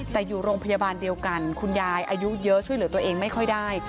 แต่อยู่โรงพยาบาลเดียวกันคุณยายอายุเยอะช่วยเหลือตัวเองไม่ค่อยได้